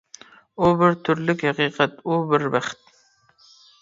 ئۇ بىر تۈرلۈك ھەقىقەت، ئۇ بىر بەخت.